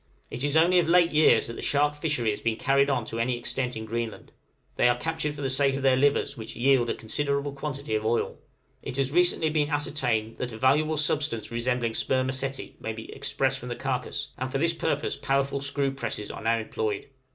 It is only of late years that the shark fishery has been carried on to any extent in Greenland; they are captured for the sake of their livers, which yield a considerable quantity of oil. It has very recently been ascertained that a valuable substance resembling spermaceti may be expressed from the carcase, and for this purpose powerful screw presses are now employed.